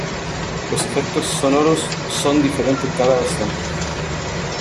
Los efectos sonoros son diferentes en cada versión.